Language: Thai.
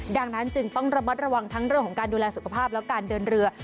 ดังนั้นจึงต้องระมัดระวังทั้งเรื่องของการดูแลสุขภาพและการเดินเรือ